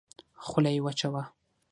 خوله يې وچه وه.